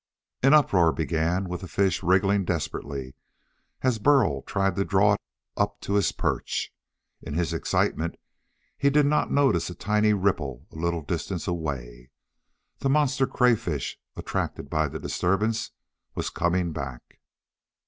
An uproar began with the fish wriggling desperately as Burl tried to draw it up to his perch. In his excitement he did not notice a tiny ripple a little distance away. The monster crayfish, attracted by the disturbance, was coming back.